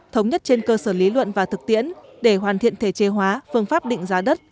thống nhất trên cơ sở lý luận và thực tiễn để hoàn thiện thể chế hóa phương pháp định giá đất